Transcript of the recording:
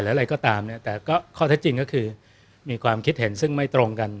อะไรก็ตามเนี่ยแต่ก็ข้อเท็จจริงก็คือมีความคิดเห็นซึ่งไม่ตรงกัน